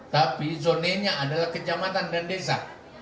tapi zonanya adalah kecamatan dan desa